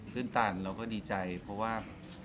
ตื่นตันเราก็ดีใจเพราะว่า